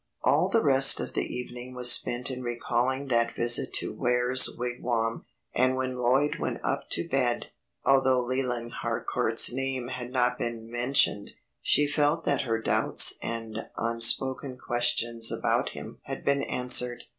All the rest of the evening was spent in recalling that visit to Ware's Wigwam, and when Lloyd went up to bed, although Leland Harcourt's name had not been mentioned, she felt that her doubts and unspoken questions about him had been answered.